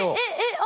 あっ！